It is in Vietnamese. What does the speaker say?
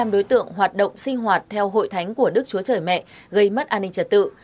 năm đối tượng hoạt động sinh hoạt theo hội thánh của đức chúa trời mẹ gây mất an ninh trật tự